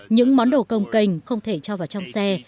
những món đồ công kênh không thể cho vào trong xe